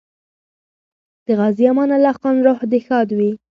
د غازي امان الله خان روح دې ښاد وي.